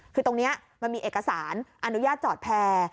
คือตรงนี้มันมีเอกสารอนุญาตจอดแพร่